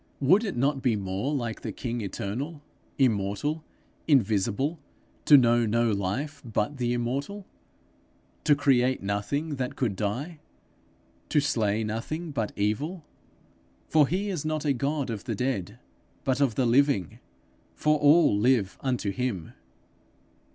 Would it not be more like the king eternal, immortal, invisible, to know no life but the immortal? to create nothing that could die; to slay nothing but evil? 'For he is not a God of the dead, but of the living; for all live unto him.'